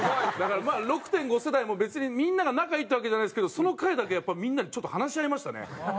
だからまあ６．５世代も別にみんなが仲いいってわけじゃないですけどその回だけやっぱみんなでちょっと話し合いましたね。